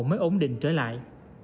mới ổn định trở lại